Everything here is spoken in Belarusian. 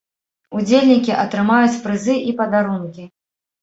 Удзельнікі атрымаюць прызы і падарункі.